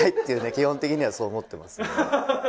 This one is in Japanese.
基本的にはそう思ってますんで。